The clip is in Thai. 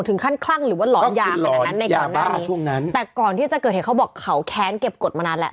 คลั่งหรือว่าหลอนยาขนาดนั้นในก่อนหน้านี้ช่วงนั้นแต่ก่อนที่จะเกิดเหตุเขาบอกเขาแค้นเก็บกฎมานานแหละ